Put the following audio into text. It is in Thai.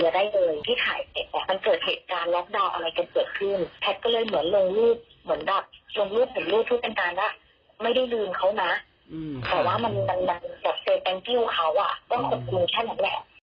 แต่เป็นติ้วเขาต้องควรคุมแค่นั้นแหละ